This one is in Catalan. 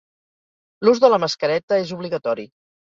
L'ús de la mascareta és obligatori.